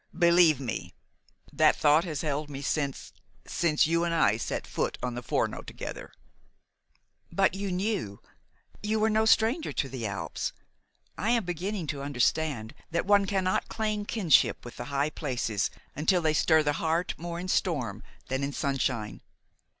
"Believe me, that thought has held me since since you and I set foot on the Forno together." "But you knew? You were no stranger to the Alps? I am beginning to understand that one cannot claim kinship with the high places until they stir the heart more in storm than in sunshine.